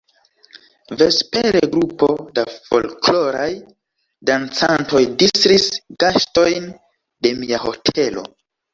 Vespere grupo da folkloraj dancantoj distris gastojn de mia hotelo.